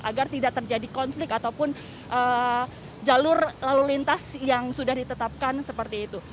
agar tidak terjadi konflik ataupun jalur lalu lintas yang sudah ditetapkan seperti itu